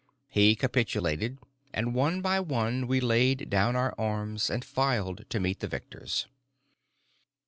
He capitulated, and one by one we laid down our arms and filed to meet the victors.